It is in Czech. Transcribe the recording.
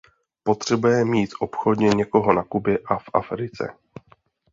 Potřebuje mít obchodně někoho na Kubě a v Africe.